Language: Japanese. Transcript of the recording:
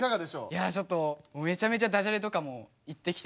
いやちょっとめちゃめちゃダジャレとかも言ってきて。